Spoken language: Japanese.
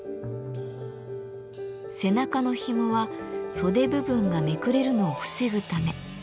背中のひもは袖部分がめくれるのを防ぐため。